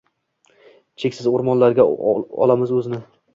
Cheksiz o’rmonlarga olamiz o’zni.